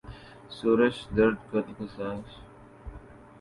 سوزش درد دل کسے معلوم